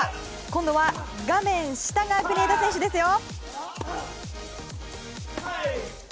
今度は画面下が国枝選手ですよ。